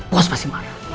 bos pasti marah